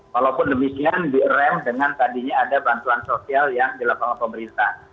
walaupun demikian direm dengan tadinya ada bantuan sosial yang dilakukan oleh pemerintah